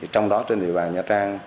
trong đó trên địa bàn nha trang